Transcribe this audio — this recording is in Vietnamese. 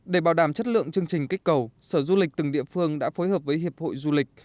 để bảo đảm chất lượng chương trình kích cầu sở du lịch từng địa phương đã phối hợp với hiệp hội du lịch